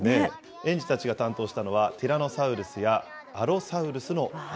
園児たちが担当したのは、ティラノサウルスやアロサウルスの頭。